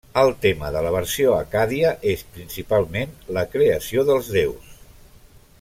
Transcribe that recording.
El tema de la versió accàdia és principalment la creació dels déus.